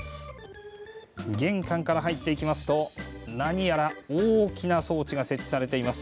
玄関から入っていきますと何やら大きな装置が設置されています。